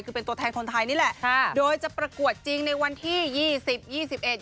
คือเป็นตัวแทนคนไทยนี่แหละค่ะโดยจะประกวดจริงในวันที่ยี่สิบยี่สิบเอ็ด